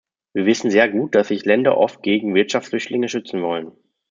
Wir wissen sehr gut, dass sich Länder oft gegen Wirtschaftsflüchtlinge schützen wollen.